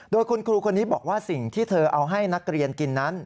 โดยคุณครูคนนี้บอกว่าสิ่งที่เธอเอาให้นักเรียนกินนั้น